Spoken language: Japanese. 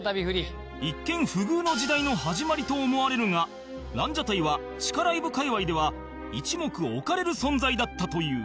一見不遇の時代の始まりと思われるがランジャタイは地下ライブ界隈では一目置かれる存在だったという